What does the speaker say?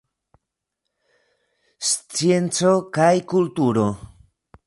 Scienco kaj kulturo.